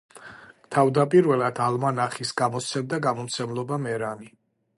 თავდაპირველად ალმანახის გამოსცემდა გამომცემლობა „მერანი“.